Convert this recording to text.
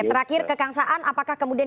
terakhir kekangsaan apakah kemudian